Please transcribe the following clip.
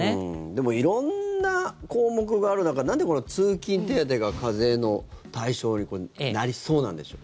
でも色んな項目がある中なんで、通勤手当が課税の対象になりそうなんでしょう。